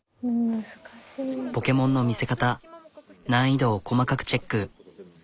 ポケモンの見せ方難易度を細かくチェック。